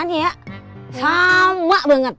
ini kalau aa